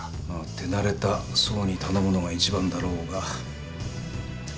まあ手慣れた奏に頼むのが一番だろうが。